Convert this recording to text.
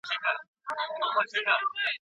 موږ ته باید خپلواکي راکړل سي.